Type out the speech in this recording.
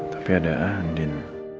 tapi ada andin